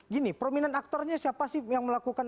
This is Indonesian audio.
gini prominent actornya siapa sih yang melakukan